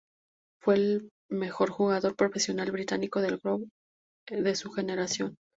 Fue el mejor jugador profesional británico de golf de su generación.